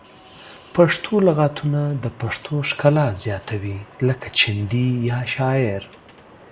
پښتو لغتونه د پښتو ښکلا زیاتوي لکه چندي یا شاعر